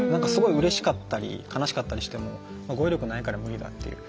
うれしかったり悲しかったりしても語彙力ないから無理だって。